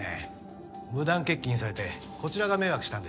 無断欠勤されてこちらが迷惑したんですよ。